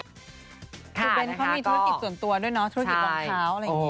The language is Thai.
คือเบ้นเขามีธุรกิจส่วนตัวด้วยเนาะธุรกิจรองเท้าอะไรอย่างนี้